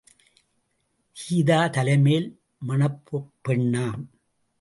கீதா தலைமேல் மணப்பெண்ணாம்.